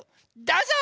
どうぞ！